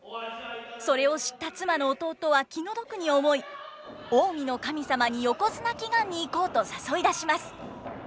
それを知った妻の弟は気の毒に思い近江の神様に横綱祈願に行こうと誘い出します。